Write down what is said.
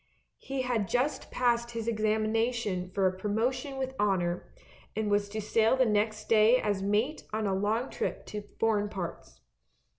He had just passed his examination for pro motion with honour, and was to sail next day as mate on a long trip to foreign parts.